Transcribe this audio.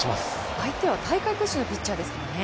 相手は大会屈指のピッチャーです。